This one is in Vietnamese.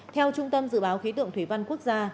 theo trung tâm dự báo khí tượng thủy văn quốc gia